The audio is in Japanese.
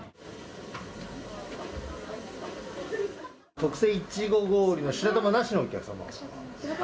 特製イチゴ氷の白玉なしのお客様。